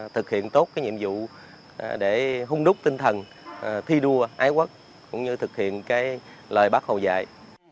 thực hiện tốt nhiệm vụ để hung đúc tinh thần thi đua ái quất cũng như thực hiện lời bác hồ dạy